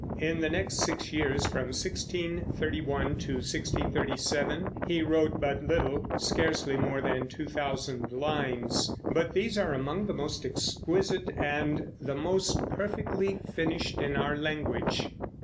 In the next six years, from 1631 to 1637, he wrote but little, scarcely more than two thousand lines, but these are among the most exquisite and the most perfectly finished in our language.